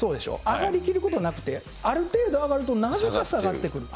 上がりきることなくて、ある程度上がると、なぜか下がってくる。